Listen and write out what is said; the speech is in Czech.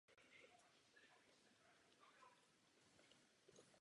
Komise nám musí pomoci tím, že vyřeší jistý protiklad.